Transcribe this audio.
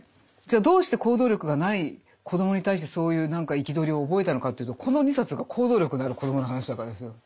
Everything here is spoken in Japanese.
どうして行動力がない子どもに対してそういう憤りを覚えたのかというとこの２冊が行動力のある子どもの話だからですよ。